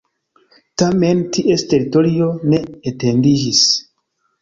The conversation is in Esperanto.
Tamen ties teritorio ne etendiĝis.